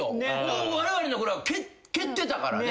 われわれのころは蹴ってたからね。